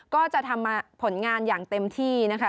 ก็จะทำผลงานอย่างเต็มที่นะคะ